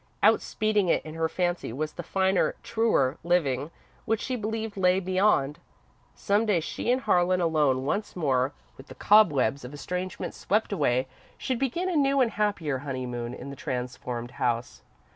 Outspeeding it in her fancy was the finer, truer living which she believed lay beyond. Some day she and Harlan, alone once more, with the cobwebs of estrangement swept away, should begin a new and happier honeymoon in the transformed house.